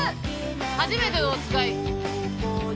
「『はじめてのおつかい』」